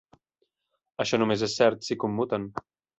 Això només és cert si commuten.